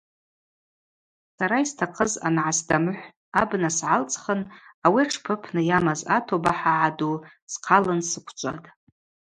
Сара йстахъыз ангӏасдамыхӏв абна сгӏалцӏхын ауи атшпы апны йамаз атоба хӏагӏа ду схъалын сыквчӏватӏ.